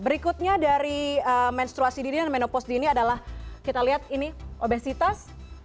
berikutnya dari menstruasi dini dan menopos dini adalah kita lihat ini obesitas